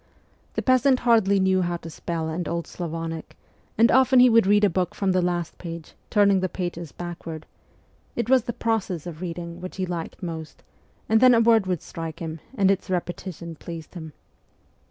The peasant hardly knew how to spell in Old Slavonic, and often he would read a book from the last page, turning the pages backward ; it was the process of reading which he liked most, and then a word would strike him, and its repetition pleased him.